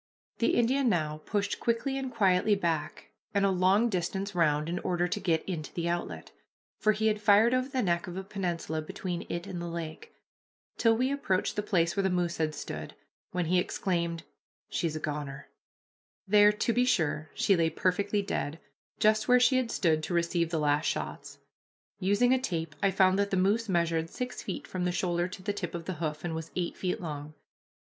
The Indian now pushed quickly and quietly back, and a long distance round, in order to get into the outlet, for he had fired over the neck of a peninsula between it and the lake, till we approached the place where the moose had stood, when he exclaimed, "She is a goner!" [Illustration: Shooting the Moose] There, to be sure, she lay perfectly dead, just where she had stood to receive the last shots. Using a tape, I found that the moose measured six feet from the shoulder to the tip of the hoof, and was eight feet long.